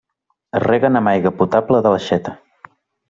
Es reguen amb aigua potable de l'aixeta.